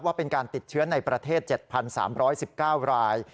ว่าเป็นการติดเชื้อในประเทศ๗๓๑๙ราย